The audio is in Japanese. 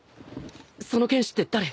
その剣士って誰？